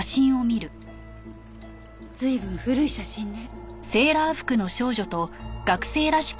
随分古い写真ね。